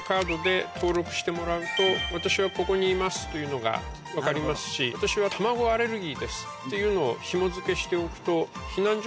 してもらうと「私はここにいます」というのが分かりますし「私は卵アレルギーです」っていうのをひも付けしておくと。